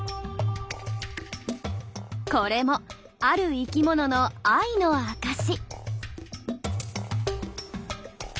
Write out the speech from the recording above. これもある生きものの愛の証し。